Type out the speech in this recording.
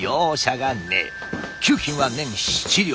給金は年７両。